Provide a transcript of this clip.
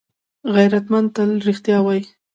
غیرتمند تل رښتیا وايي